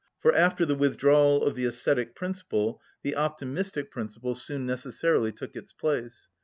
For after the withdrawal of the ascetic principle, the optimistic principle soon necessarily took its place.